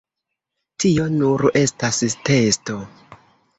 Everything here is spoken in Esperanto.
Tio nur estas testo.